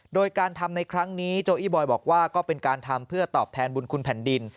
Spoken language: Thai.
โดยการทำในครั้งนี้โจอี้บอยบอกว่าก็เป็นการทำเพื่อตอบแทนบุญคุณแผ่นดิน